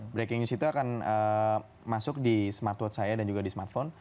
breaking news itu akan masuk di smartwatt saya dan juga di smartphone